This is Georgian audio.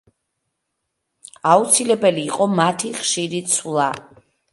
აუცილებელი იყო მათი ხშირი ცვლა.